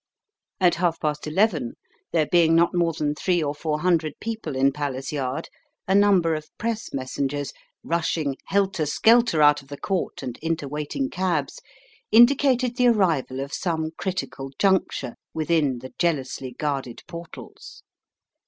At half past eleven, there being not more than three or four hundred people in Palace Yard, a number of Press messengers, rushing helter skelter out of the court and into waiting cabs, indicated the arrival of some critical juncture within the jealously guarded portals.